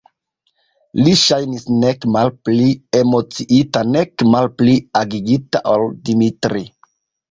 Li ŝajnis nek malpli emociita nek malpli agitita ol Dimitri.